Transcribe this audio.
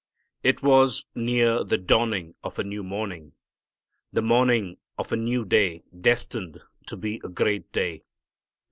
It was near the dawning of a new morning, the morning of a new day destined to be a great day.